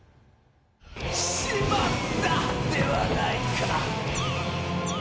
「しまった！」ではないか！